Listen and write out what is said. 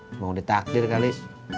semoga udah takdir kali